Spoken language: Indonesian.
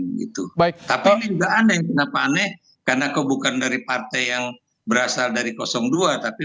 gitu baik tapi juga aneh kenapa aneh karena kau bukan dari partai yang berasal dari dua tapi